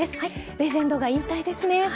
レジェンドが引退ですね。